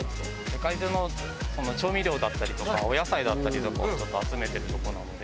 世界中の調味料だったりとかお野菜だったりとかをちょっと集めてるとこなので。